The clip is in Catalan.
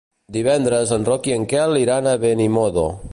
Divendres en Roc i en Quel iran a Benimodo.